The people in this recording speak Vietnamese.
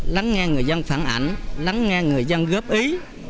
lắng nghe người dân phản ảnh lắng nghe người dân góp ý